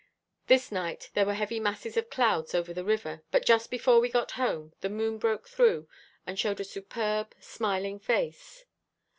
This night there were heavy masses of clouds over the river, but just before we got home, the moon broke through, and showed a superb, smiling face.